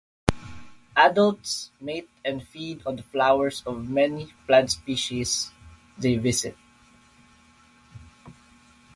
Adults mate and feed on the flowers of the many plant species they visit.